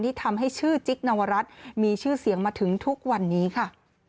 ที่ทำให้ชื่อจิ๊กนวรัฐมีชื่อเสียงมาถึงทุกวันนี้ค่ะ